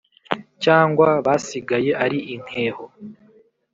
cyangwa basigaye ari inkeho